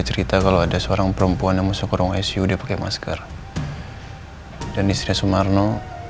cerita kalau ada seorang perempuan yang masuk ke ruang icu dia pakai masker dan istrinya sumarno